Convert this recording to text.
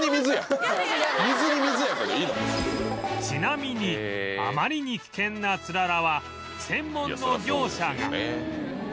ちなみにあまりに危険なツララは専門の業者が